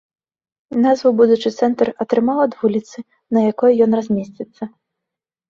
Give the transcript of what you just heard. Назву будучы цэнтр атрымаў ад вуліцы, на якой ён размесціцца.